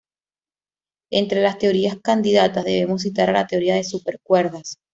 Entre las teorías candidatas debemos citar a la teoría de supercuerdas.